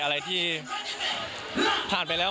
อะไรที่ผ่านไปแล้ว